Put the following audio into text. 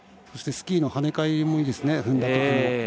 そして、スキーの跳ね返りもいいですね。